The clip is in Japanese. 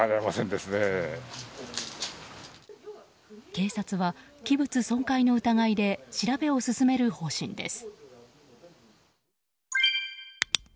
警察は、器物損壊の疑いで調べを進める方針です。